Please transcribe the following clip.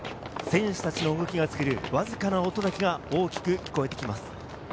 選手たちの動きが作るわずかな音だけが大きく聞こえてきます。